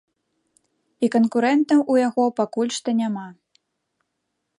І канкурэнтаў у яго пакуль што няма.